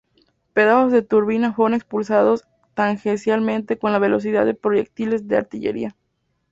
Pedazos de turbina fueron expulsados tangencialmente con la velocidad de proyectiles de artillería.